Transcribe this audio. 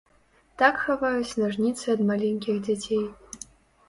Так хаваюць нажніцы ад маленькіх дзяцей.